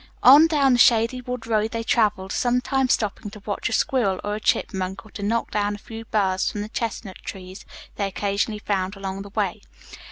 On down the shady wood road they traveled, sometimes stopping to watch a squirrel or a chipmunk or to knock down a few burrs from the chestnut trees they occasionally found along the way.